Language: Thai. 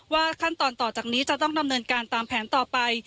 ขั้นตอนต่อจากนี้จะต้องดำเนินการตามแผนต่อไป